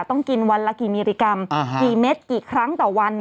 ต้องกินวันละกี่มิลลิกรัมกี่เม็ดกี่ครั้งต่อวัน